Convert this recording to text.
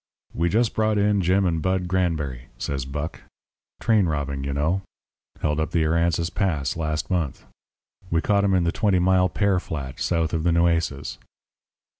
"We just brought in Jim and Bud Granberry," said Buck. "Train robbing, you know. Held up the Aransas Pass last month. We caught 'em in the Twenty Mile pear flat, south of the Nueces."